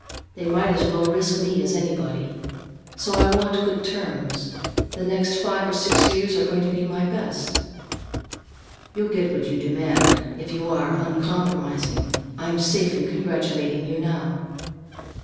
They might as well risk me as anybody. So I want good terms. The next five or six years are going to be my best." "You'll get what you demand, if you are uncompromising. I'm safe in congratulating you now."